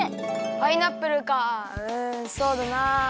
パイナップルかうんそうだな。